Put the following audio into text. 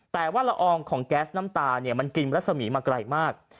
แต่ว่าละอองของแก๊สน้ำตาเนี่ยมันกินรัศมีมาไกลมาก